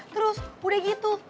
terus udah gitu